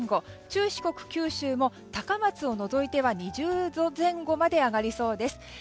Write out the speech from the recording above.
中四国、九州も高松を除いては２０度前後まで上がりそうです。